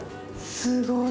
すごい。